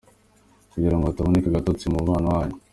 Kugira ngo hataboneka agatotsi mu mubano wanyu.